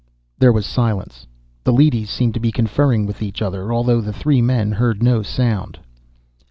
There was silence. The leadys seemed to be conferring with each other, although the three men heard no sound.